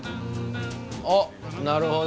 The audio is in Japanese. おっなるほど。